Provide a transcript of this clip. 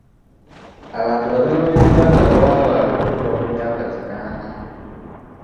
Abantu batono mu Uganda abawangaala okutuuka ku myaka kinaana.